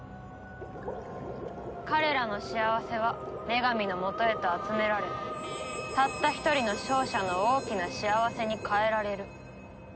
彼らの幸せは女神のもとへと集められたった一人の勝者の大きな幸せに変えられる。